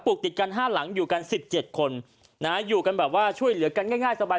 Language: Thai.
ติดกันห้าหลังอยู่กันสิบเจ็ดคนนะฮะอยู่กันแบบว่าช่วยเหลือกันง่ายสบาย